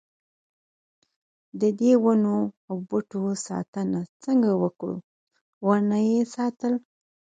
ددې ونو او بوټو ساتنه څنګه وکړو ونه یې ساتل.